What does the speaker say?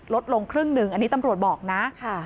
ลดลงครึ่งหนึ่งอันนี้ตำรวจบอกนะ